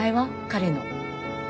彼の。